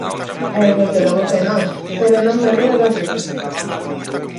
Eu, desde logo que non, pero non me río do asunto.